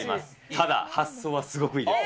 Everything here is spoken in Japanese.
ただ、発想はすごくいいです。